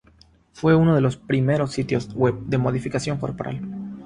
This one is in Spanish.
Fue uno de los primeros sitios web de modificación corporal.